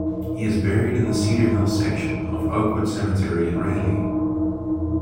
He is buried in the Cedar Hill Section of Oakwood Cemetery in Raleigh.